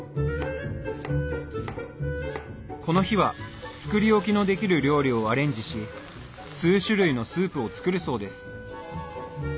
この日は作り置きのできる料理をアレンジし数種類のスープを作るそうです。